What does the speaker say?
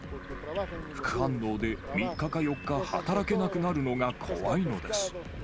副反応で、３日か４日、働けなくなるのが怖いのです。